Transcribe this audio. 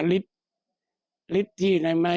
ก็เป็นเรื่องของความศรัทธาเป็นการสร้างขวัญและกำลังใจ